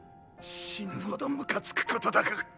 死ぬほどムカツクことだが！